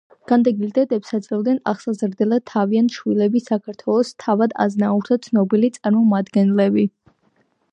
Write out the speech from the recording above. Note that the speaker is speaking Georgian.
განდეგილ დედებს აძლევდნენ აღსაზრდელად თავიანთ შვილებს საქართველოს თავად-აზნაურთა ცნობილი წარმომადგენლები.